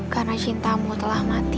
karena cintamu telah mati